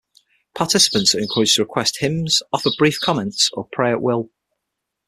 Participants are encouraged to request hymns, offer brief comments, or pray at will.